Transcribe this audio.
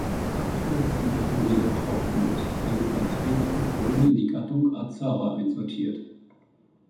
Aktuell ist die Gattung jedoch aufgelöst; ihre Vertreter wurden in die Gattung "Azara" einsortiert.